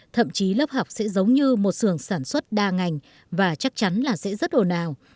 thậm chí lớp học sẽ giống như một sường sản xuất đa ngành và chắc chắn là sẽ rất ồn ào